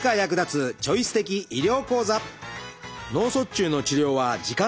脳卒中の治療は時間との闘い。